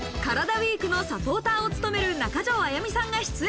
ＷＥＥＫのサポーターを務める中条あやみさんが出演。